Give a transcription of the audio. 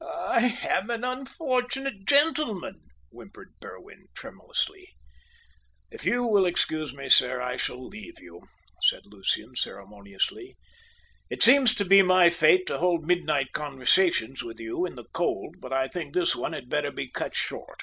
"I am an unfortunate gentleman," whimpered Berwin tremulously. "If you will excuse me, sir, I shall leave you," said Lucian ceremoniously. "It seems to be my fate to hold midnight conversations with you in the cold, but I think this one had better be cut short."